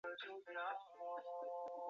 二十六年以左庶子提督贵州学政。